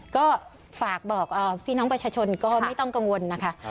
ก็ฝากบอกพี่น้องประชาชนก็ไม่ต้องกังวลนะคะ